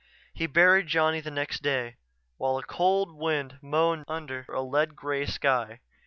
He buried Johnny the next day, while a cold wind moaned under a lead gray sky.